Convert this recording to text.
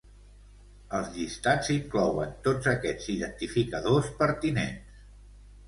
Els llistats inclouen tots aquests identificadors pertinents.